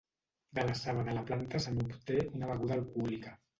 De la saba de la planta se n'obté una beguda alcohòlica.